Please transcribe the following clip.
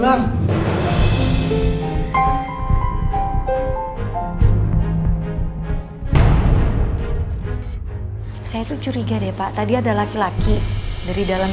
bunda itu kan cahaya banget sama kamu